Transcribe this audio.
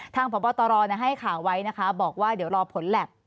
พบตรให้ข่าวไว้นะคะบอกว่าเดี๋ยวรอผลแล็บ